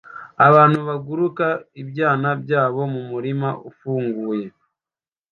Abantu baguruka ibyana byabo mumurima ufunguye